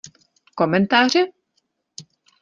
Komentáře?